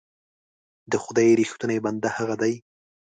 د خدای رښتونی بنده هغه دی.